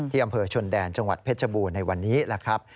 ที่อำเภอชนแดนจังหวัดเพชรบูในวันนี้นะครับ